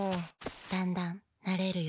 だんだんなれるよ。